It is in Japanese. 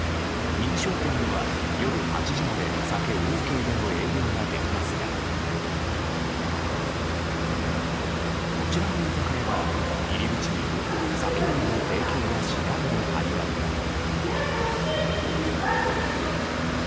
認証店では夜８時まで酒ＯＫでの営業ができますがこちらの居酒屋は、入り口に「酒類の提供はしない」の貼り紙が。